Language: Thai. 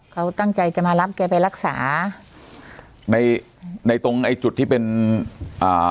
เขาตั้งใจจะมารับแกไปรักษาในในตรงไอ้จุดที่เป็นอ่า